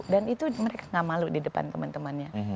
dan itu mereka gak malu di depan teman temannya